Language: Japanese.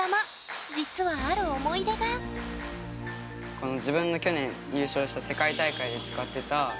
この自分が去年優勝した世界大会で使ってたけん玉なんです。